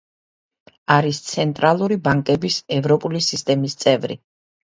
არის ცენტრალური ბანკების ევროპული სისტემის წევრი.